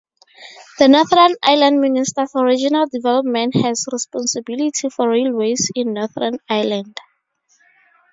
The Northern Ireland Minister for Regional Development has responsibility for railways in Northern Ireland.